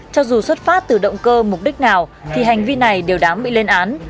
cho dù xuất phát từ động cơ mục đích nào thì hành vi này đều đáng bị lên án